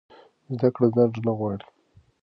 زده کړه ځنډ نه غواړي.